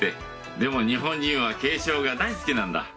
でも日本人は敬称が大好きなんだ。